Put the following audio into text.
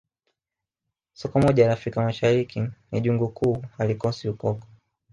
Soko moja la Afrika Mashariki ni jungu kuu halikosi ukoko